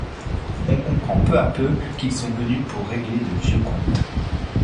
On comprend peu à peu qu'ils sont venus pour régler de vieux comptes.